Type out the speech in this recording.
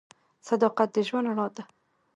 صداقت د ژوند رڼا ده.